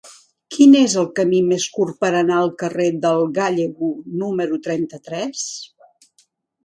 Quin és el camí més curt per anar al carrer del Gállego número trenta-tres?